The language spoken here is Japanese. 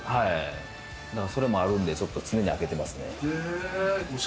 それもあるんで、常に開けてますね。